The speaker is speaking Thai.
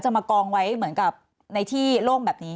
มากองไว้เหมือนกับในที่โล่งแบบนี้